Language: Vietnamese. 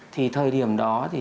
thì thời điểm đó thì